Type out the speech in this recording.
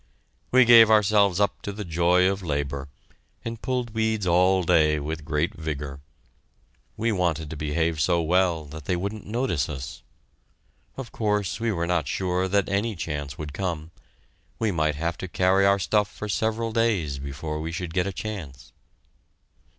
We gave ourselves up to the joy of labor, and pulled weeds all day with great vigor. We wanted to behave so well that they wouldn't notice us. Of course we were not sure that any chance would come. We might have to carry our stuff for several days before we should get a chance.